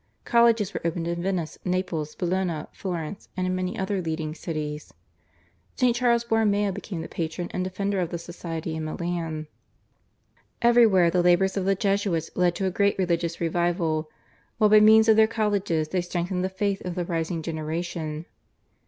Colleges were opened in Venice, Naples, Bologna, Florence, and in many other leading cities. St. Charles Borromeo became the patron and defender of the society in Milan. Everywhere the labours of the Jesuits led to a great religious revival, while by means of their colleges they strengthened the faith of the rising generation.